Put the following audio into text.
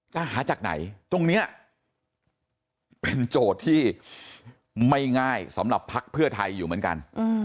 หาจากไหนตรงนี้เป็นโจทย์ที่ไม่ง่ายสำหรับภักดิ์เพื่อไทยอยู่เหมือนกัน